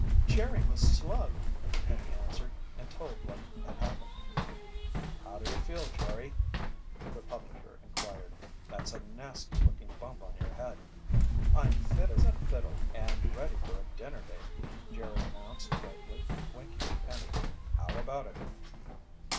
"Jerry was slugged," Penny answered, and told what had happened. "How do you feel, Jerry?" the publisher inquired. "That's a nasty looking bump on your head." "I'm fit as a fiddle and ready for a dinner date," Jerry announced brightly, winking at Penny. "How about it?"